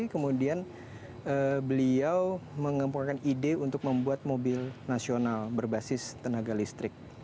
kemudian beliau mengemporkan ide untuk membuat mobil nasional berbasis tenaga listrik